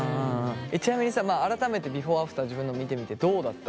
ちなみにさ改めてビフォーアフター自分の見てみてどうだった？